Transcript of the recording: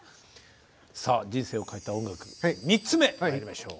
さあ人生を変えた音楽３つ目まいりましょう。